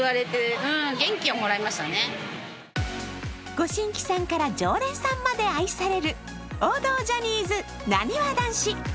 ご新規さんから常連さんまで愛される、王道ジャニーズ、なにわ男子。